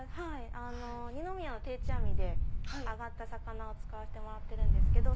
二宮の定置網で揚がった魚を使わせてもらってるんですけど。